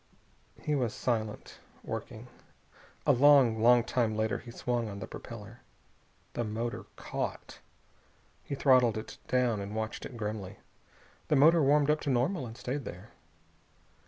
He was silent, working. A long, long time later he swung on the propeller. The motor caught. He throttled it down and watched it grimly. The motor warmed up to normal, and stayed there.